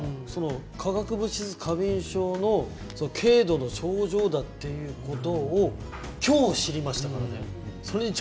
自分の症状が化学物質過敏症の軽度の症状だということを今日知りましたからね。